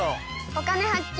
「お金発見」。